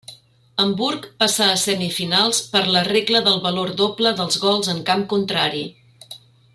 Hamburg passà a Semifinals per la regla del valor doble dels gols en camp contrari.